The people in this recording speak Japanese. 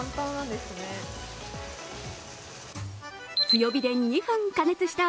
強火で２分加熱した